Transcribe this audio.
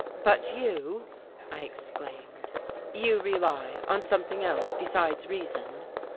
"But you!" I exclaimed. "You rely on something else besides reason?"